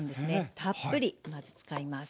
たっぷりまず使います。